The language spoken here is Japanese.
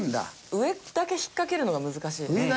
上だけ引っかけるのが難しい。